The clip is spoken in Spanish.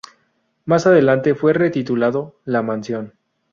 Más adelante fue retitulado "La Mansión".